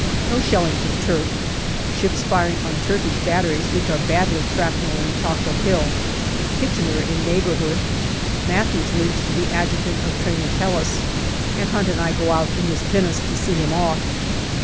No shelling from Turk. Ships firing on Turkish batteries, which are badly shrapnelling Chocolate Hill. Kitchener in neighbourhood. Matthews leaves to be Adjutant of train at Helles, and Hunt and I go out in his pinnace to see him off.